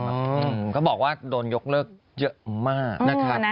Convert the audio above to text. เขาบอกว่าโดนยกเลิกเยอะมากนะครับ